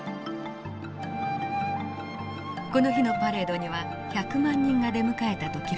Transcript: この日のパレードには１００万人が出迎えたと記録されています。